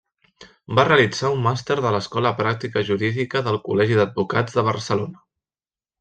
Va realitzar un màster de l'Escola Pràctica Jurídica del Col·legi d'Advocats de Barcelona.